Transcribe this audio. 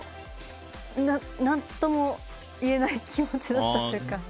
何とも言えない気持ちだったというか。